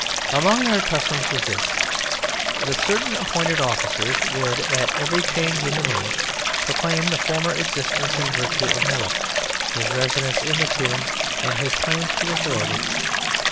Among their customs was this: that certain appointed officers would at every change in the moon proclaim the former existence and virtue of Melek, his residence in the tomb, and his claims to authority.